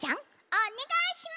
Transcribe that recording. おねがいします。